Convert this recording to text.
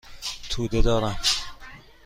توده دارم.